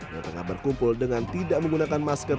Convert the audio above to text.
yang tengah berkumpul dengan tidak menggunakan masker